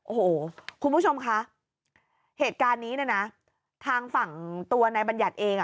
โอ้โหคุณผู้ชมคะเหตุการณ์นี้นะทางฝั่งตัวในบรรยัตน์เอง